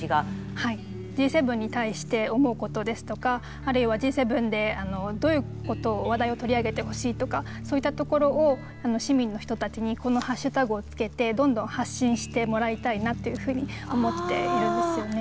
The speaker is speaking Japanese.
Ｇ７に対して思うことですとかあるいはＧ７でどういう話題を取り上げてほしいとかそういったところを市民の人たちにこのハッシュタグをつけてどんどん発信してもらいたいなっていうふうに思っているんですよね。